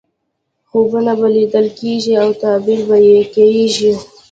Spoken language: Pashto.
خوبونه به لیدل کېږي او تعبیر به یې کېږي.